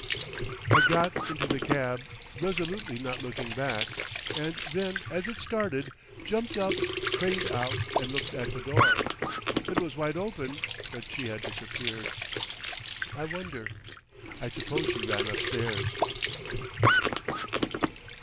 I got into the cab, resolutely not looking back, and then as it started jumped up, craned out and looked at the door. It was wide open, but she had disappeared.... I wonder—I suppose she ran upstairs.